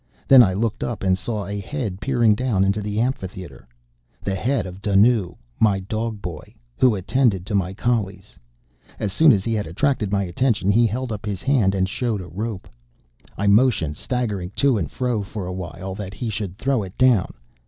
Then I looked up and saw a head peering down into the amphitheatre the head of Dunnoo, my dog boy, who attended to my collies. As soon as he had attracted my attention, he held up his hand and showed a rope. I motioned, staggering to and fro for the while, that he should throw it down.